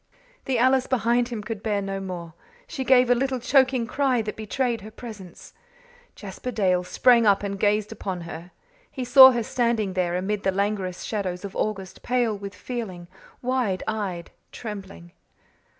The Alice behind him could bear no more. She gave a little choking cry that betrayed her presence. Jasper Dale sprang up and gazed upon her. He saw her standing there, amid the languorous shadows of August, pale with feeling, wide eyed, trembling.